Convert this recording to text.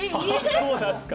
そうなんですか？